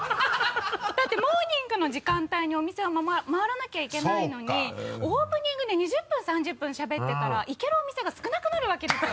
だってモーニングの時間帯にお店を回らなきゃいけないのにオープニングで２０分３０分しゃべってたら行けるお店が少なくなるわけですよ。